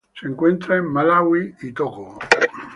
Se encuentra en Malaui y Togo.